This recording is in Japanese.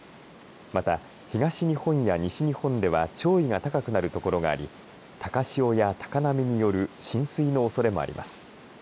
また、東日本や西日本では潮位が高くなる所があり高潮や高波による浸水のおそれもあります。